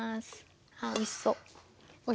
あおいしそう！